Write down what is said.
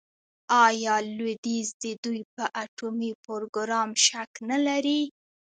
آیا لویدیځ د دوی په اټومي پروګرام شک نلري؟